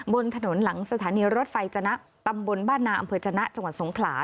บนถนนหลังสถานีรถไฟจนะตำบลบ้านนาอำเภอจนะจังหวัดสงขลา